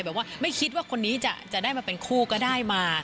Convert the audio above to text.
แบบว่าไม่คิดว่าคนนี้จะได้มาเป็นคู่ก็ได้มา